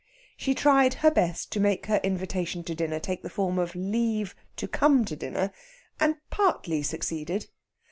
She tried her best to make her invitation to dinner take the form of leave to come to dinner, and partly succeeded.